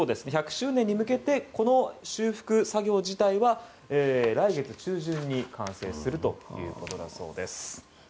１００周年に向けて修復作業自体は来月中旬に完成するということだそうです。